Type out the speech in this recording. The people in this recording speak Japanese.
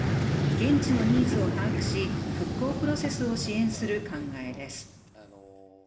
現地のニーズを把握し、復興プロセスを支援する考えです。